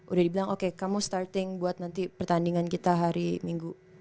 udah dibilang oke kamu starting buat nanti pertandingan kita hari minggu